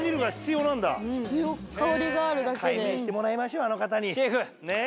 解明してもらいましょうあの方に。